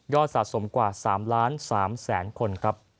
ยอดสะสมกว่า๓๓๐๐๐๐๐คน